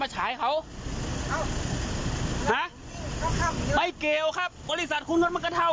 มาฉายเขาอ่าไม่เกลียวครับบริษัทคุณนั้นมันก็เท่ากัน